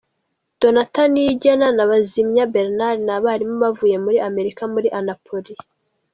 Donata Niyigena na Bazimya Bernard ni abarimu bavuye muri Amerika muri Anapolis.